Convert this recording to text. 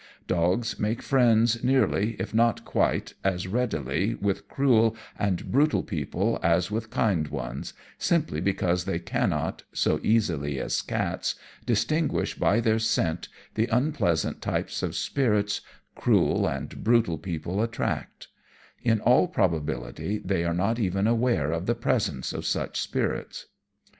Dogs make friends nearly, if not quite, as readily with cruel and brutal people as with kind ones, simply because they cannot, so easily as cats, distinguish by their scent the unpleasant types of spirits cruel and brutal people attract; in all probability, they are not even aware of the presence of such spirits.